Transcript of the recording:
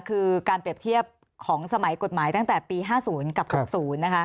คือการเปรียบเทียบของสมัยกฎหมายตั้งแต่ปี๕๐กับ๖๐นะคะ